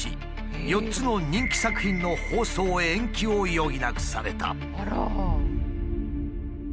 ４つの人気作品の放送延期を余儀なくされた。